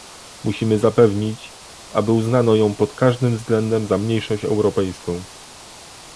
Musimy zapewnić, aby uznano ją pod każdym względem za mniejszość europejską